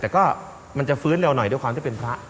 แต่ก็มันจะฟื้นเร็วหน่อยด้วยความที่เป็นพระ